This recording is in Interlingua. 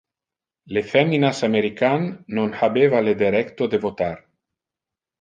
Le feminas american non habeva le derecto de votar.